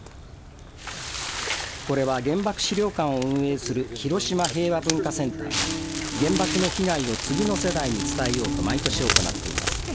これは原爆資料館を運営する広島平和文化センターが原爆の被害を次の世代に伝えようと毎年、行っています。